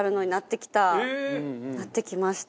なってきました。